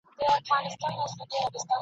چي دي واچوي قاضي غاړي ته پړی ..